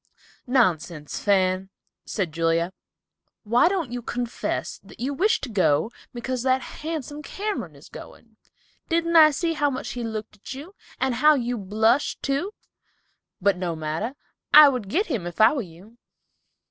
"Nonsense, Fan," said Julia. "Why don't you confess that you wish to go because that handsome Cameron is going? Didn't I see how much he looked at you, and how you blushed, too? But no matter. I would get him, if I were you!"